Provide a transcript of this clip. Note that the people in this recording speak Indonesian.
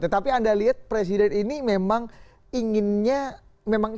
tapi anda lihat presiden ini memang inginnya